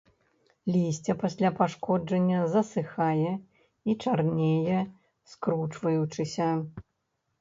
Лісце пасля пашкоджання засыхае і чарнее скручваючыся.